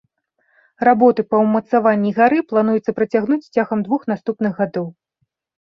Работы па ўмацаванні гары плануецца працягнуць цягам двух наступных гадоў.